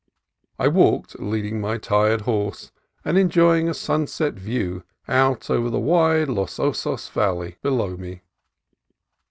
I walked, leading my tired horse, and enjoying a sun set view out over the wide Los Osos Valley below me.